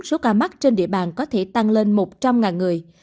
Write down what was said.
số ca mắc trên địa bàn có thể tăng lên một trăm linh người